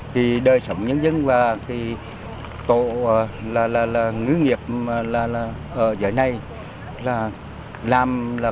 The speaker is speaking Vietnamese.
thì đời sống nhân dân và tổ là ngư nghiệp ở giới này là làm là cũng rất khó khăn